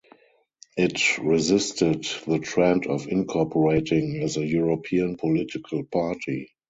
It resisted the trend of incorporating as a European political party.